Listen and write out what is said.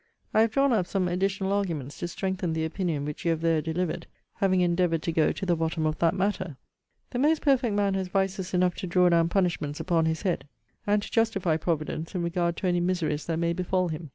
I have drawn up some additional arguments to strengthen the opinion which you have there delivered; having endeavoured to go to the bottom of that matter. ... 'The most perfect man has vices enough to draw down punishments upon his head, and to justify Providence in regard to any miseries that may befall him.